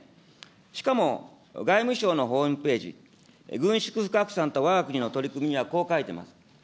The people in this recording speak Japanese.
しかも外務省のホームページ、軍縮不拡散とわが国の取り組みにはこう書いてます。